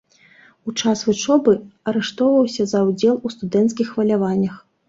У час вучобы арыштоўваўся за ўдзел у студэнцкіх хваляваннях.